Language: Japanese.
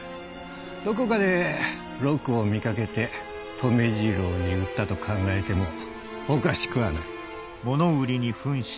どこかで六を見かけて留次郎に売ったと考えてもおかしくはない。